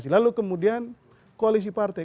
lalu kemudian koalisi partai